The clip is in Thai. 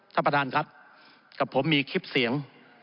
ท่านประธานครับกับผมมีคลิปเสียง